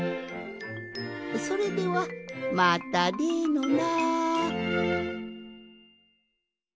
それではまたでのな！